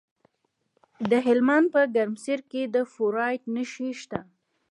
د هلمند په ګرمسیر کې د فلورایټ نښې شته.